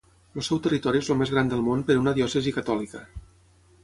El seu territori és el més gran del món per una diòcesi catòlica.